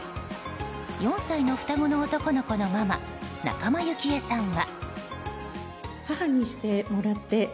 ４歳の双子の男の子のママ仲間由紀恵さんは。